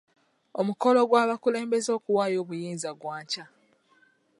Omukolo gw'abakulembeze okuwaayo obuyinza gwa nkya.